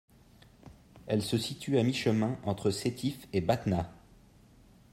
Elle se situe à mi-chemin entre Sétif et Batna.